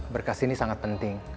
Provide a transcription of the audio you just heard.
berkas ini sangat penting